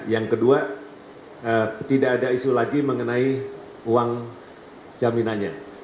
yang kedua tidak ada isu lagi mengenai uang jaminannya